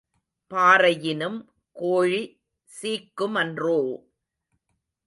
பாறையினும் கோழி சீக்குமன்றோ?